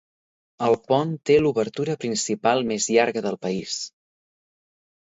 El pont té l'obertura principal més llarga del país.